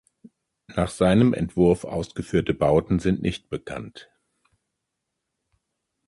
Nach seinem Entwurf ausgeführte Bauten sind nicht bekannt.